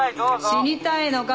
死にたいのか？